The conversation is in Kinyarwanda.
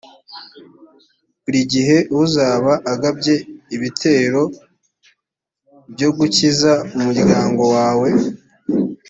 buri gihe uzaba ugabye ibiterobyo gukiza umuryango wawe